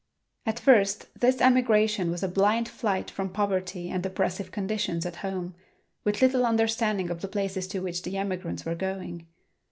At first this emigration was a blind flight from poverty and oppressive conditions at home, with little understanding of the places to which the emigrants were going.